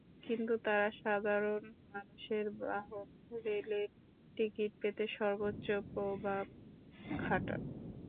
কিন্তু তাঁরা সাধারণ মানুষের বাহন রেলের টিকিট পেতে সর্বোচ্চ প্রভাব খাটান।